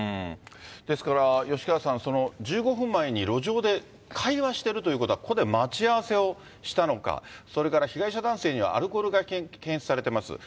ですから、吉川さん、１５分前に路上で会話してるということは、ここで待ち合わせをしたのか、それから被害者男性にはアルコールが検出されています。